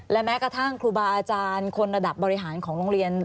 และแม้กระทั่งครูบาอาจารย์คนระดับบริหารของโรงเรียน